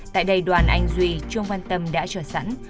tại đây đoàn anh duy chương quan tâm đã trở sẵn